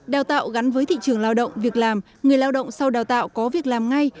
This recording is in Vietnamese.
đào tạo gắn với thị trường lao động việc làm người lao động sau đào tạo có việc làm ngay